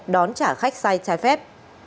và trái phép